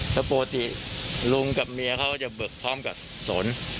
แล้วปกติลุงกับเมียเขาจะเบิกพร้อมกับสน